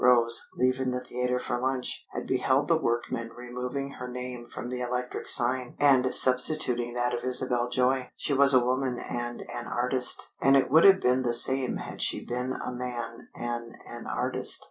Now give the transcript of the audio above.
Rose, leaving the theatre for lunch, had beheld the workmen removing her name from the electric sign and substituting that of Isabel Joy. She was a woman and an artist, and it would have been the same had she been a man and an artist.